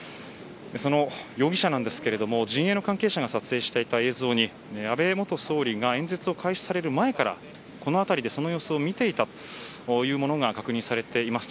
その容疑者ですが、陣営の関係者が撮影していた映像に安倍元総理が演説を開始される前からこの辺りでその様子を見ていたものが確認されています。